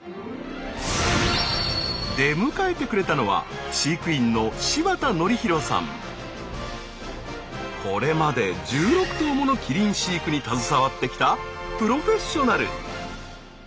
出迎えてくれたのはこれまで１６頭ものキリン飼育に携わってきたプロフェッショナル。